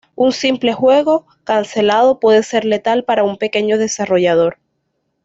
Un simple juego cancelado puede ser letal para un pequeño desarrollador.